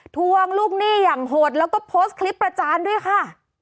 ทวงลูกหนี้อย่างโหดแล้วก็โพสต์คลิปประจานด้วยค่ะ